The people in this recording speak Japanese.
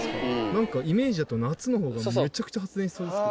なんかイメージだと夏の方がめちゃくちゃ発電しそうですけど。